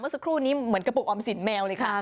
เมื่อสักครู่นี้เหมือนมัวออมสินแมวเลยค่ะ